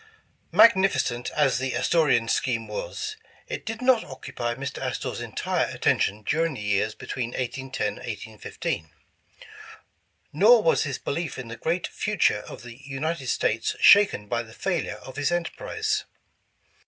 MAGNIFICENT as the Astorian scheme was, it did not occupy Mr. Astor's entire attention during the years between 1810 1815. Nor was his belief in the great future of the United States shaken by the failure of his enterprise.